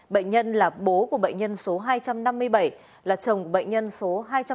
bệnh nhân là bố của bệnh nhân số hai trăm năm mươi bảy là chồng của bệnh nhân số hai trăm năm mươi tám